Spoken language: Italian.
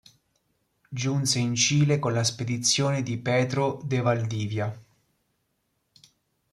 Giunse in Cile con la spedizione di Pedro de Valdivia.